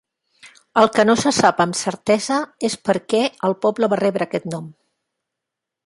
El que no se sap amb certesa és perquè el poble va rebre aquest nom.